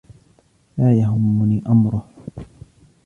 لا يهمني أمره.